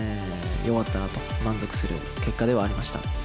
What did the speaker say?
よかったなと、満足する結果ではありました。